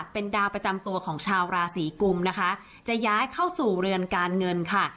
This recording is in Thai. เป็นดาวประจำตัวของชาวราศีกุมนะคะจะย้ายเข้าสู่เรือนการเงินค่ะ